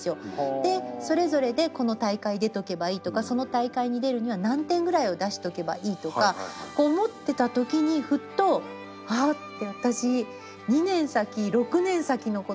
でそれぞれでこの大会出とけばいいとかその大会に出るには何点ぐらいを出しとけばいいとか思ってた時にふっと「ああ！」って。